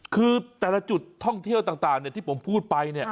คือแต่ละจุดท่องเที่ยวต่างที่ผมพูดไปเนี่ย